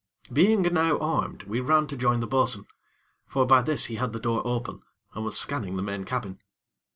Being now armed, we ran to join the bo'sun; for by this he had the door open, and was scanning the main cabin.